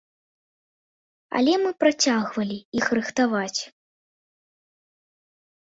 Але мы працягвалі іх рыхтаваць.